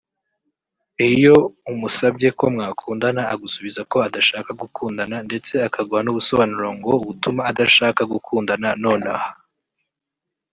Iyo umusabye ko mwakundana agusubiza ko adashaka gukundana ndetse akaguha nubusobanuro ngo butuma adashaka gukundana nonaha